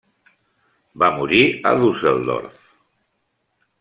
Va morir a Düsseldorf.